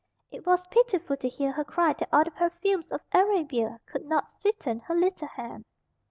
It was pitiful to hear her cry that all the perfumes of Arabia could not sweeten her little hand.